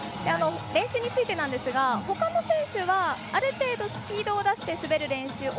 練習についてなんですがほかの選手はある程度、スピードを出して滑る練習。